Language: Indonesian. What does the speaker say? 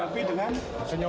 hadapi dengan senyuman